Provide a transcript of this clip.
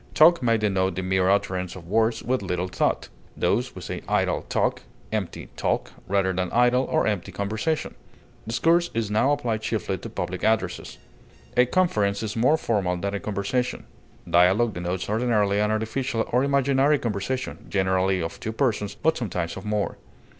Talk may denote the mere utterance of words with little thought; thus, we say idle talk, empty talk, rather than idle or empty conversation. Discourse is now applied chiefly to public addresses. A conference is more formal than a conversation. Dialog denotes ordinarily an artificial or imaginary conversation, generally of two persons, but sometimes of more.